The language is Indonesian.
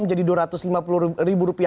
menjadi dua ratus lima puluh ribu rupiah